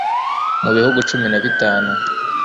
Mu bihugu cumi na bitanu